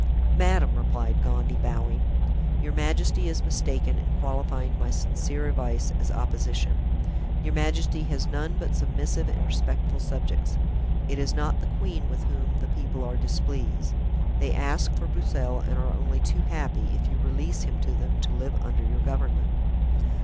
"Madame," replied Gondy, bowing, "your majesty is mistaken in qualifying my sincere advice as opposition. Your majesty has none but submissive and respectful subjects. It is not the queen with whom the people are displeased; they ask for Broussel and are only too happy, if you release him to them, to live under your government."